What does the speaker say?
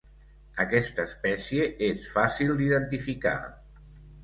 Aquesta espècie és fàcil d'identificar.